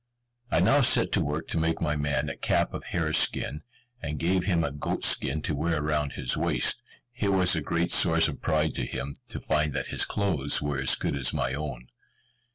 I now set to work to make my man a cap of hare's skin, and gave him a goat's skin to wear round his waist. It was a great source of pride to him, to find that his clothes were as good as my own.